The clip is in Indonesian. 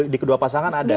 di kedua pasangan ada ya